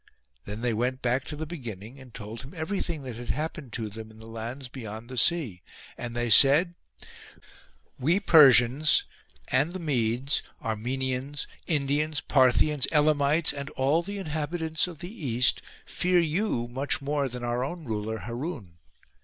" Then they went back to the beginning and told him every thing that had happened to them in the lands beyond I20 TREATMENT OF THE ENVOYS the sea ; and they said :—" We Persians and the Medes, Armenians, Indians, Parthians, Elamites, and all the inhabitants of the east fear you much more than our own ruler Haroun.